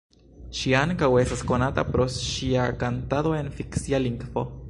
Ŝi ankaŭ estas konata pro ŝia kantado en fikcia lingvo.